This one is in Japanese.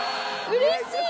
うれしい！